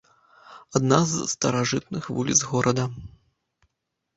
Адна з старажытных вуліц горада.